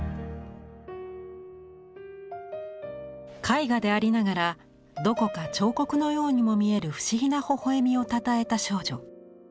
絵画でありながらどこか彫刻のようにも見える不思議なほほ笑みをたたえた少女。